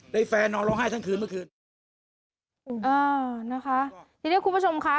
แฟนนอนร้องไห้ทั้งคืนเมื่อคืนอ่านะคะทีนี้คุณผู้ชมค่ะ